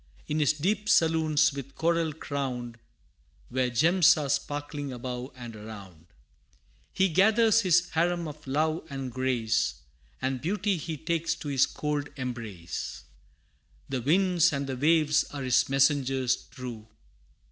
In his deep saloons with coral crowned, Where gems are sparkling above and around, He gathers his harem of love and grace, And beauty he takes to his cold embrace. The winds and the waves are his messengers true.